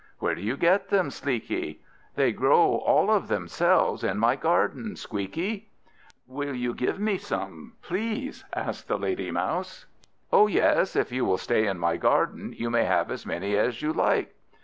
"Where do you get them, Sleekie?" "They grow all of themselves in my garden, Squeakie." "Will you give me some, please?" asked the lady Mouse. "Oh yes, if you will stay in my garden, you may have as many as you like."